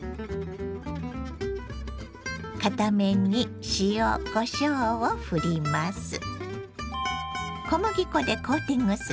片面に塩こしょうをふります。